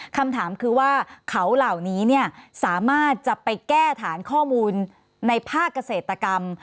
คำถามคือว่าเขาเหล่านี้สามารถจะไปแก้ฐานข้อมูลในภาคเกษตรกรรม